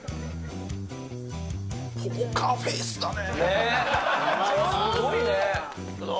ポーカーフェースだね。